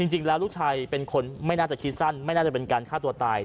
จริงแล้วลูกชายเป็นคนไม่น่าจะคิดสั้นไม่น่าจะเป็นการฆ่าตัวตาย